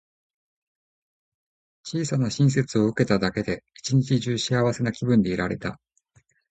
小さな親切を受けただけで、一日中幸せな気分でいられた。